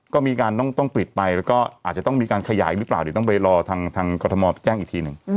ก็มีการต้องปิดไปแล้วก็อาจจะต้องมีการขยายหรือเปล่าเดี๋ยวต้องไปรอทางกรทมแจ้งอีกทีหนึ่ง